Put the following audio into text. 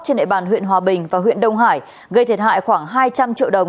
trên địa bàn huyện hòa bình và huyện đông hải gây thiệt hại khoảng hai trăm linh triệu đồng